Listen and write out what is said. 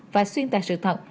và xuyên tài sự thật